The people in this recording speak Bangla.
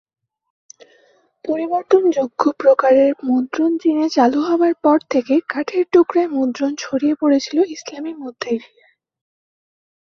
পরিবর্তনযোগ্য প্রকারের মুদ্রণ চীনে চালু হবার পর থেকে কাঠের টুকরায় মুদ্রণ ছড়িয়ে পড়েছিল ইসলামী মধ্য এশিয়ায়।